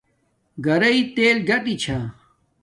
گھرݵ تل کاٹݵ چھا